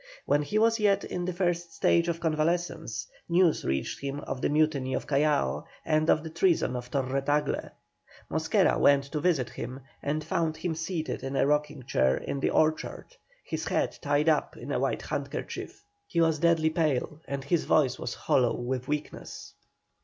When he was yet in the first stage of convalescence, news reached him of the mutiny of Callao, and of the treason of Torre Tagle. Mosquera went to visit him, and found him seated in a rocking chair in the orchard, his head tied up in a white handkerchief. He was deadly pale, and his voice was hollow with weakness.